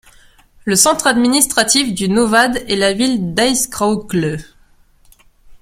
Le centre administratif du novads est la ville d'Aizkraukle.